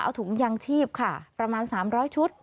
เอาถุงยางชีพค่ะประมาณ๓๐๐ชุด